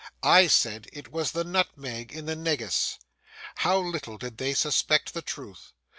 I said it was the nutmeg in the negus. How little did they suspect the truth!